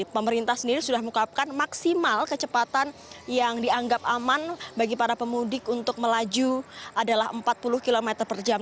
pemerintah sendiri sudah mengungkapkan maksimal kecepatan yang dianggap aman bagi para pemudik untuk melaju adalah empat puluh km per jam